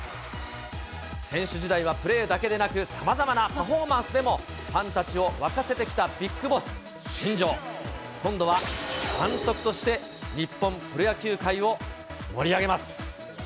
選手時代はプレーだけでなく、さまざまなパフォーマンスでもファンたちを沸かせてきたビッグボス新庄、今度は監督として日本プロ野球界を盛り上げます。